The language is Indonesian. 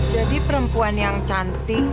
jadi perempuan yang cantik